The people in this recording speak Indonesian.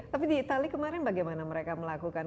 tapi di itali kemarin bagaimana mereka melakukan